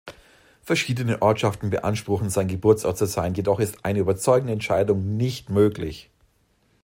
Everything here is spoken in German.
Verschiedene Ortschaften beanspruchen, sein Geburtsort zu sein, jedoch ist eine überzeugende Entscheidung nicht möglich.